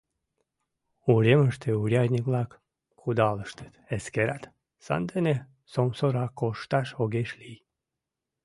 Уремыште урядник-влак кудалыштыт, эскерат, сандене сомсора кошташ огеш лий.